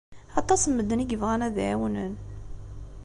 Aṭas n medden i yebɣan ad ɛiwnen.